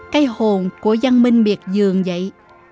cây hồn của dân minh miệt dường vậy